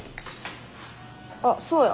あっそうや。